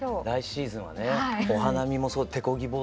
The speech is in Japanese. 来シーズンはねお花見もそう手こぎ